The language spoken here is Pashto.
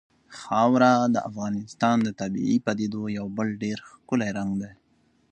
خاوره د افغانستان د طبیعي پدیدو یو بل ډېر ښکلی رنګ دی.